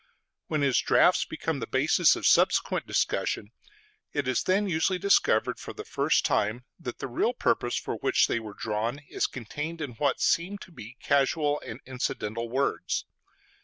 When his draughts become the basis of subsequent discussion, it is then usually discovered for the first time that the real purpose for which they were drawn is contained in what seemed to be casual and incidental words.